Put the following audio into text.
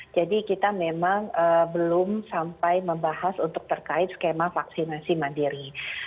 jadi kita memang belum sampai membahas untuk terkait skema vaksinasi mandiri